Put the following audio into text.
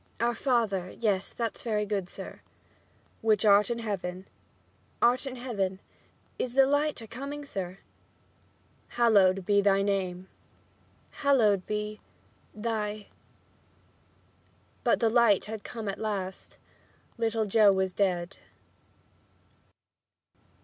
"Our Father; yes, that's very good, sir." "Which art in Heaven." "Art in Heaven. Is the light a comin', sir?" "Hallowed be thy name." "Hallowed be thy " But the light had come at last. Little Joe was dead.